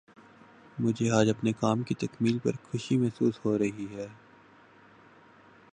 مجھے آج اپنے کام کی تکمیل پر خوشی محسوس ہو رہی ہے